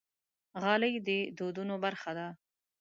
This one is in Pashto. غالۍ د دودونو برخه ده.